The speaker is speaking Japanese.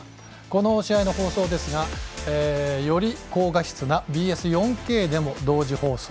この試合の放送ですがより高画質なＢＳ４Ｋでも同時放送。